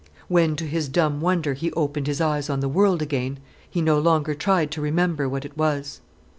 When, to his dumb wonder, he opened his eyes on the world again, he no longer tried to remember what it was.